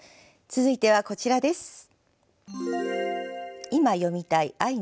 続いてはこちらです。